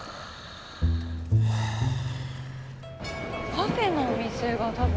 パフェのお店が多分。